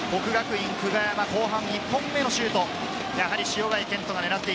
國學院久我山、後半１本目のシュート。